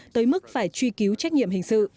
tới mức phải truy cứu trách nhiệm hình sự